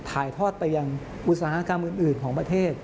ถ่ายทอดไปยังอุตสาหกรรมอื่นของประเทศ